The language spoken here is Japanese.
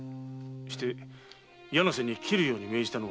して柳瀬に斬るように命じたのは誰だ？